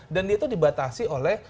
dan itu dibatasi oleh